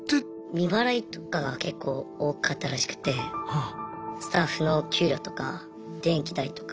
未払いとかが結構多かったらしくてスタッフの給料とか電気代とか。